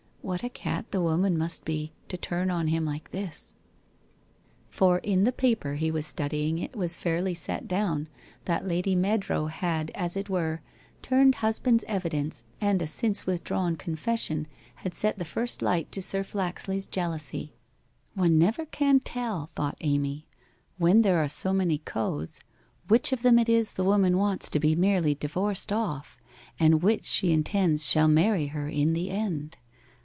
What a cat the woman must be, to turn on him like this! ' 20 WHITE ROSE OF WEARY LEAF For in the paper lie waa studying it was fairly Bet down that Lady Mead row had, as it were, turned hus band's evidence and a since withdrawn confession had set the first Light to Sir Flaxley's jealousy. 'One never can tell,' thought Amy, ' when there are so many cos, which of them it is the woman wants to be merely di vorced off, and which she intends shall marry her in the end